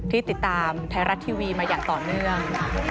ที่ติดตามไทยรัฐทีวีมาอย่างต่อเนื่อง